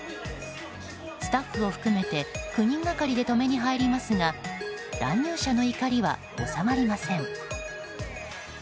スタッフを含めて９人がかりで止めに入りますが乱入者の怒りは収まりません。